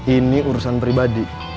ini urusan pribadi